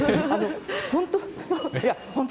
本当。